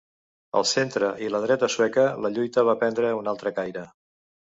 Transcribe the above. Al centre i la dreta sueca la lluita va prendre un altre caire.